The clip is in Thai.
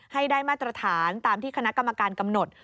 ให้ได้มาตรฐานตามที่คณะกรรมการกำหนด